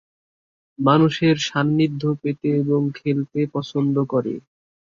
মানুষের সান্নিধ্য পেতে এবং খেলতে পছন্দ করে।